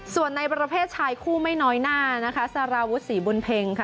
ส่วนในประเภทชายคู่ไม่น้อยหน้านะคะสารวุฒิศรีบุญเพ็งค่ะ